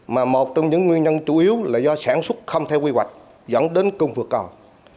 mà một trong những nguyên nhân chủ yếu là do sản xuất không theo quy hoạch dẫn đến cung vượt cầu